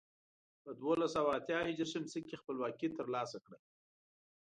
په دولس سوه اتيا ه ش کې خپلواکي تر لاسه کړه.